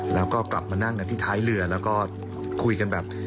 แล้วก็กลับมานั่งกันที่ท้ายเรือแล้วก็คุยกันแบบ